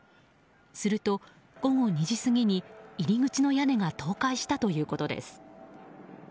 すると、午後２時過ぎに入り口の屋根が倒壊したということです。